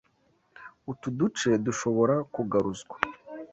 Utu duce dushobora kugaruzwa?